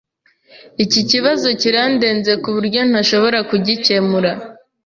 Iki kibazo kirandenze kuburyo ntashobora kugikemura.